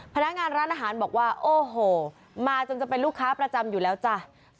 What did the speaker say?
พนักงานร้านอาหารบอกว่าโอ้โหมาจนจะเป็นลูกค้าประจำอยู่แล้วจ้ะ